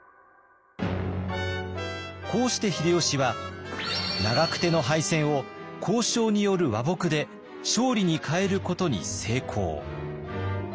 こうして秀吉は長久手の敗戦を交渉による和睦で勝利に変えることに成功。